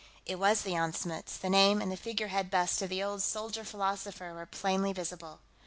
It was the Jan Smuts; the name and the figurehead bust of the old soldier philosopher were plainly visible.